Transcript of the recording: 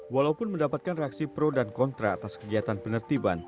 walaupun mendapatkan reaksi pro dan kontra atas kegiatan penertiban